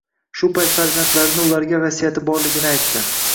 Shu payt farzandlarini ularga vasiyati borligini aytdi.